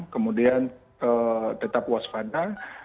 kemudian tetap waspada